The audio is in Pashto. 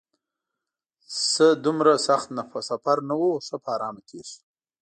څه دومره سخت سفر نه و، ښه په ارامه تېر شو.